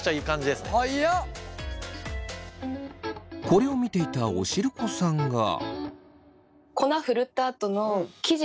これを見ていたおしるこさんが。